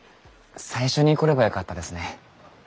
最初に来ればよかったですね。